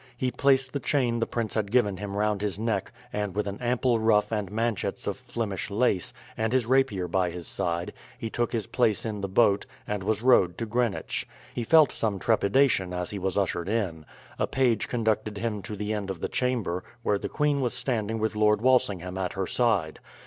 He placed the chain the prince had given him round his neck, and with an ample ruff and manchets of Flemish lace, and his rapier by his side, he took his place in the boat, and was rowed to Greenwich. He felt some trepidation as he was ushered in. A page conducted him to the end of the chamber, where the queen was standing with Lord Walsingham at her side.